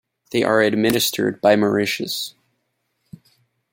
They are administered by Mauritius.